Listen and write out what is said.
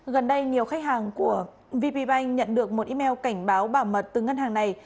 gần đây nhiều khách hàng của vp bank nhận được một email cảnh báo bảo mật từ ngân hàng này